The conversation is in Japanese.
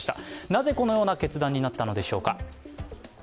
なぜこのような決断になったのでしょうか。